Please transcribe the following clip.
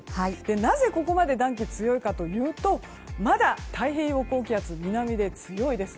なぜここまで暖気が強いかというとまだ太平洋高気圧が南で強いです。